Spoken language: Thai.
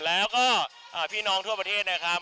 แล้วก็พี่น้องทั่วประเทศนะครับ